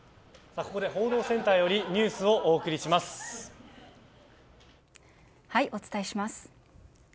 ここで報道センターよりお伝えします。